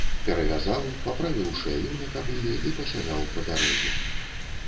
Перавязаў, паправіў шляю на кабыле і пасягаў па дарозе.